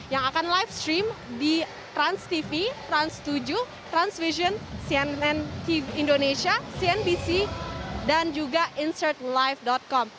yang akan live stream di transtv trans tujuh transvision cnn indonesia cnbc dan juga insertlive com